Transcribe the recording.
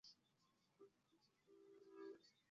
丰托拉沙维耶是巴西南大河州的一个市镇。